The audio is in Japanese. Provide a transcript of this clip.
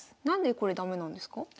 何でこれ駄目なんですか？